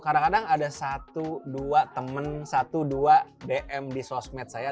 kadang kadang ada satu dua teman satu dua dm di sosmed saya